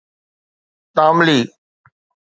تاملي